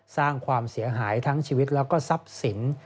สร้างความเสียหายทั้งชีวิตแล้วก็ทรัพย์สิน